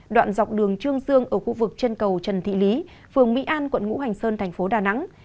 đoạn dọc đường trương dương ở khu vực trên cầu trần thị lý phường mỹ an quận ngũ hành sơn tp đà nẵng